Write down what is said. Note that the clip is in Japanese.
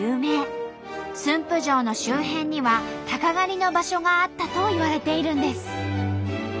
駿府城の周辺には鷹狩りの場所があったといわれているんです。